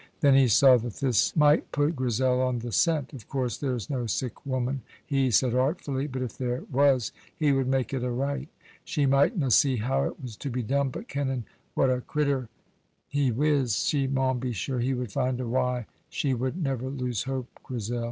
Then he saw that this might put Grizel on the scent. "Of course there's no sic woman," he said artfully, "but if there was, he would mak' it a' right. She mightna see how it was to be done, but kennin' what a crittur he is, she maun be sure he would find a wy. She would never lose hope, Grizel."